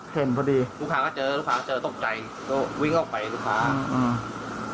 เห็นพอดีลูกค้าก็เจอลูกค้าเจอตกใจก็วิ่งออกไปลูกค้าอืม